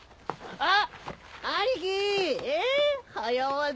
あっ！